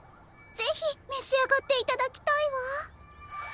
ぜひめしあがっていただきたいわ。